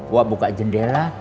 wah buka jendela